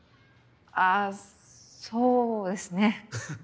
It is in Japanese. あそうですね。フフ。